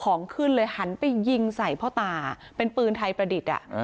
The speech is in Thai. ของขึ้นเลยหันไปยิงใส่พ่อตาเป็นปืนไทยประดิษฐ์